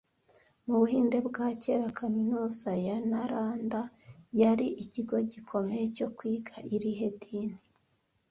Mu Buhinde bwa kera, kaminuza ya Nalanda yari ikigo gikomeye cyo kwiga irihe dini